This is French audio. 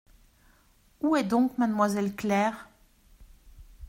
Où donc est mademoiselle Claire ?.